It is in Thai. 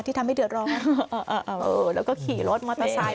ทำให้เดือดร้อนแล้วก็ขี่รถมอเตอร์ไซค